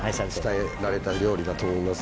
伝えられた料理だと思います。